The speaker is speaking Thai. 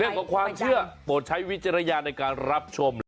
เรื่องของความเชื่อโปรดใช้วิจารณญาณในการรับชม